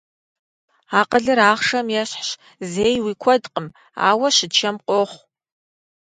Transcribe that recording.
Акъылыр ахъшэм ещхьщ, зэи уи куэдкъым, ауэ щычэм къохъу.